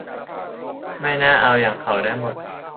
ไม่น่าเอาอย่างเขาได้หมด